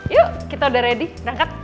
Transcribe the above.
yuk kita udah ready berangkat